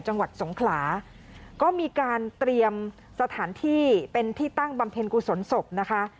จังหวัดสงขลาก็มีการเตรียมสถานที่เป็นที่ตั้งบำเพ็ญกุศลศพนะคะ